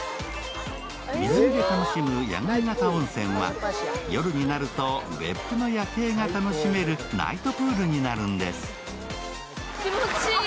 水着で楽しむ野外型温泉は夜になると別府の夜景が楽しめるナイトプールになるんです。